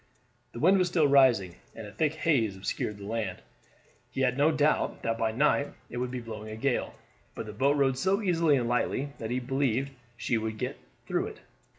The wind was still rising, and a thick haze obscured the land. He had no doubt that by night it would be blowing a gale; but the boat rode so easily and lightly that he believed she would get through it.